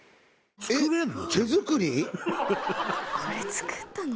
これ作ったの？